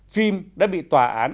phim đã bị tòa án